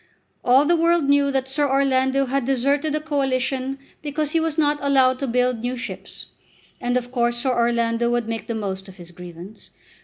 All the world knew that Sir Orlando had deserted the Coalition because he was not allowed to build new ships, and of course Sir Orlando would make the most of his grievance.